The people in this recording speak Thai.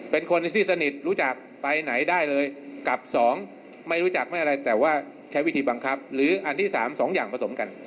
เป็นคนที่สนิทรู้จักไปไหนได้เลยกับสองไม่รู้จักไม่อะไรแต่ว่าใช้วิธีบังคับหรืออันที่สามสองอย่างผสมกัน